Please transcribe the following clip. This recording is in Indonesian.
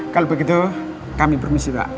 kalau begitu kami permisi pak